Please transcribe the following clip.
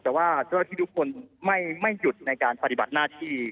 แต่ว่าเจ้าที่ทุกคนไม่หยุดในการปฏิบัติหน้าที่